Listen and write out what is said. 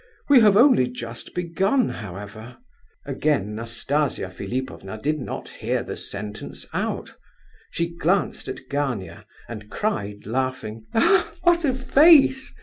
We have only just begun, however—" Again Nastasia Philipovna did not hear the sentence out. She glanced at Gania, and cried, laughing, "What a face!